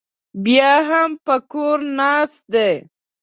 بیا هم په کور ناست دی.